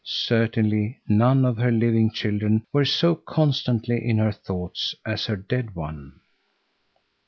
Certainly none of her living children were so constantly in her thoughts as her dead one.